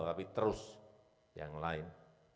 tapi terus yang lain